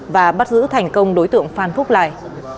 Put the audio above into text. và bắt giữ thành công đối tượng phan phúc lài